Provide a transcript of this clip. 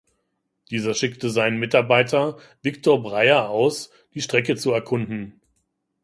Dieser schickte seinen Mitarbeiter Victor Breyer aus, die Strecke zu erkunden.